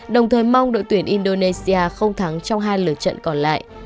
đồng thời mong đội tuyển indonesia không thắng trong hai lửa trận còn lại